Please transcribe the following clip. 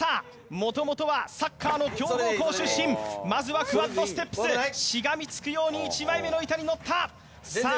もともとはサッカーの強豪校出身まずはクワッドステップスしがみつくように１枚目の板に乗ったさあ